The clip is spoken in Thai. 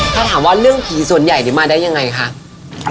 ถ้าถามว่าเรื่องผีส่วนใหญ่มาได้ยังไงคะ